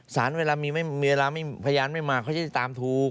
สารเวลามีเวลาพยานไม่มาเขาจะตามถูก